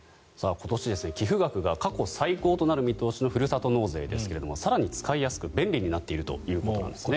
今年、寄付額が過去最高となる見通しのふるさと納税ですが更に使いやすく便利になっているということなんですね。